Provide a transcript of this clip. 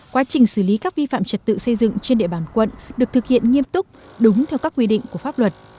quá trình xử lý các vi phạm trật tự xây dựng trên địa bàn quận được thực hiện nghiêm túc đúng theo các quy định của pháp luật